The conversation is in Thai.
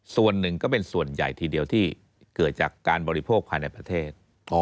ส่วนหนึ่งก็เป็นส่วนใหญ่ทีเดียวที่เกิดจากการบริโภคภายในประเทศ